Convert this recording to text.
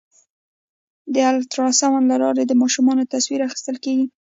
د الټراساونډ له لارې د ماشوم تصویر اخیستل کېږي.